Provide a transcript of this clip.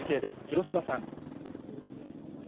広芝さん。